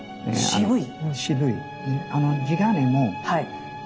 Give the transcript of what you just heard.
渋い。